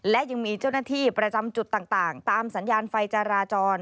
และยังมีเจ้าหน้าที่ประจำจุดต่างตามสัญญาณไฟจราจร